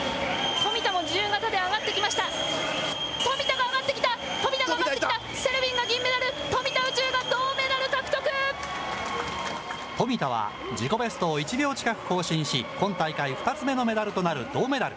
富田が上がってきた、富田が上がってきた、セルビンが銀メダル、富田は自己ベストを１秒近く更新し、今大会２つ目のメダルとなる銅メダル。